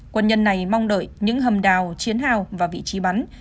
quân nhân này mong đợi những hầm đào chiến hào và vị trí bắn